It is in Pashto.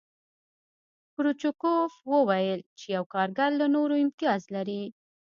کرو چکوف وویل چې یو کارګر له نورو امتیاز لري